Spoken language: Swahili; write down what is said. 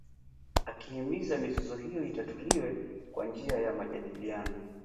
Akihimiza mizozo hiyo itatuliwe kwa njia ya majadiliano